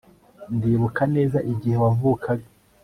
ndibuka neza igihe wavukaga